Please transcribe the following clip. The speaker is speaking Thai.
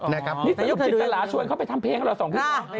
นี่เป็นยุคจิตตลาชวนเข้าไปทำเพลงเหรอ๒พี่